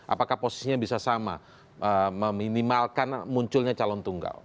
apakah posisinya bisa sama meminimalkan munculnya calon tunggal